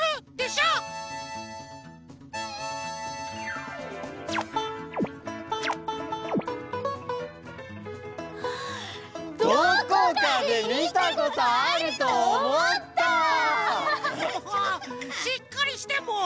しっかりしてもう！